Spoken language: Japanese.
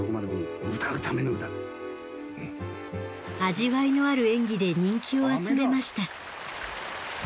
味わいのある演技で人気を集めました。